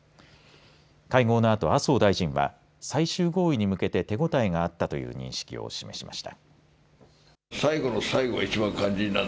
会合のあと、麻生大臣は最終合意に向けて手応えがあったという認識を示しました。